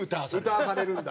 歌わされるんだ。